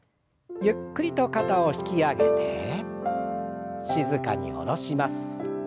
ゆっくりと肩を引き上げて静かに下ろします。